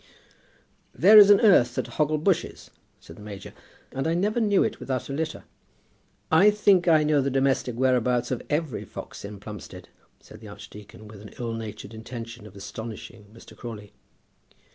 "There is an earth at Hoggle Bushes," said the major; "and I never knew it without a litter." "I think I know the domestic whereabouts of every fox in Plumstead," said the archdeacon, with an ill natured intention of astonishing Mr. Crawley.